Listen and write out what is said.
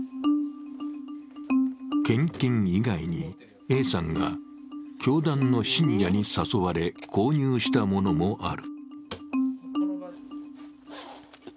献金以外に、Ａさんが教団の信者に誘われ購入したものもある。